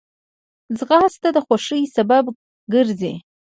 ځغاسته د خوښۍ سبب ګرځي